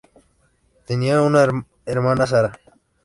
Tenía una hermana, Sara.